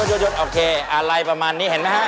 โอเคอะไรประมาณนี้เห็นมั้ยครับ